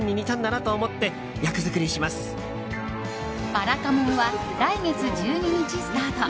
「ばらかもん」は来月１２日スタート。